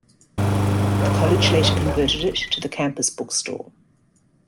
The college later converted it to the Campus Bookstore.